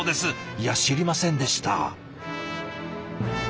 いや知りませんでした。